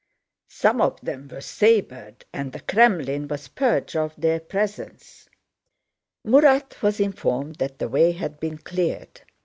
Some of them were sabered and the Krémlin was purged of their presence." Murat was informed that the way had been cleared.